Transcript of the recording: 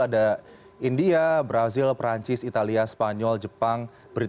ada india brazil perancis italia spanyol jepang